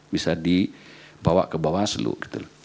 bisa dibawa ke bawah seluruh